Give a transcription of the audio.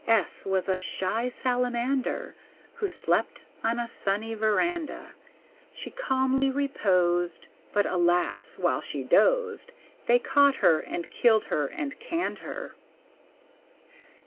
S was a shy Salamander, Who slept on a sunny veranda. She calmly reposed, But, alas! while she dozed They caught her and killed her and canned her.